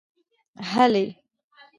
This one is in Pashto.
هلئ!